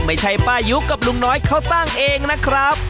ไม่ใช่ป้ายุกับลุงน้อยเขาตั้งเองนะครับ